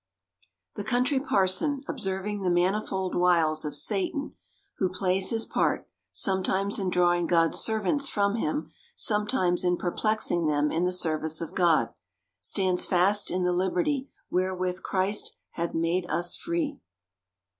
The Country Parson, observing the manifold wiles of Satan (who plays his part, sometimes in drawing God's servants from him, sometimes in perplexing them in the service of God), stands fast in the liberty wherewith Christ hath made us free.